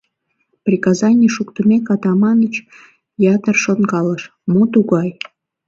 Приказанийым шуктымек, Атаманыч ятыр шонкалыш: «Мо тугай?